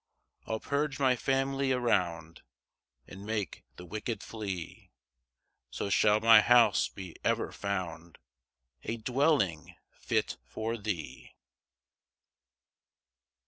6 I'll purge my family around, And make the wicked flee; So shall my house be ever found A dwelling fit for thee.